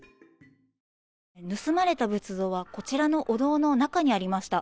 盗まれた仏像はこちらのお堂の中にありました。